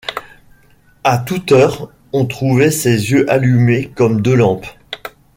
À toute heure on trouvait ses yeux allumés comme deux lampes.